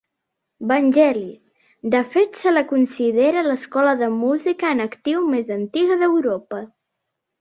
Vangelis— De fet, se la considera l'escola de música en actiu més antiga d'Europa.